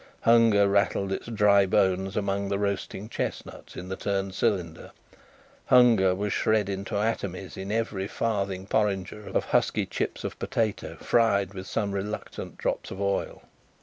Hunger rattled its dry bones among the roasting chestnuts in the turned cylinder; Hunger was shred into atomics in every farthing porringer of husky chips of potato, fried with some reluctant drops of oil.